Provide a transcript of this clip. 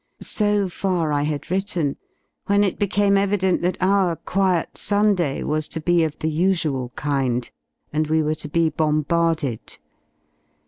So far I had written when it became evident that our quiet Sunday was to be of the usual kind and we were to be bombarded.